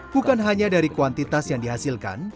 bukan hanya dari kuantitas yang dihasilkan